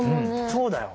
そうだよ。